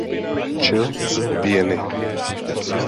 Č. z pěny.